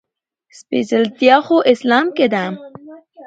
سپېڅلتيا خو اسلام کې ده.